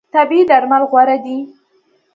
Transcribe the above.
طبیعي درمل غوره دي.